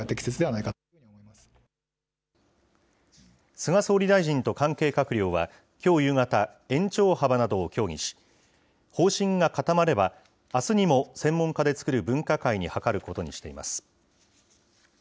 菅総理大臣と関係閣僚はきょう夕方、延長幅などを協議し、方針が固まれば、あすにも専門家で作る分科会に諮ることにしています。